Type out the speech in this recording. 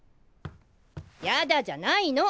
やだじゃないの！